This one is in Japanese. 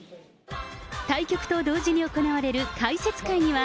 対局と同時に行われる解説会には、